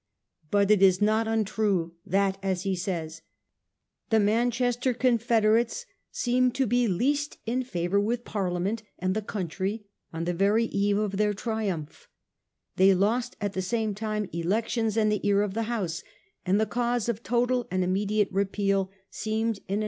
But it is not untrue that, as he says, 'the Manchester confederates seemed to be least in favour with Parliament and the country on the very eve of their triumph,' ' They lost at the same time elections and the ear of the House ; and the cause of total and immediate repeal seemed in a not 1844 6.